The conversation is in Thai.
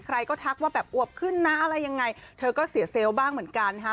ใครก็ทักว่าแบบอวบขึ้นนะอะไรยังไงเธอก็เสียเซลล์บ้างเหมือนกันฮะ